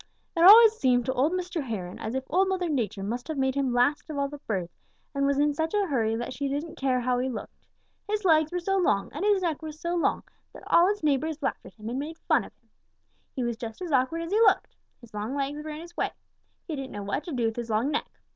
"It always seemed to old Mr. Heron as if Old Mother Nature must have made him last of all the birds and was in such a hurry that she didn't care how he looked. His legs were so long and his neck was so long that all his neighbors laughed at him and made fun of him. He was just as awkward as he looked. His long legs were in his way. He didn't know what to do with his long neck.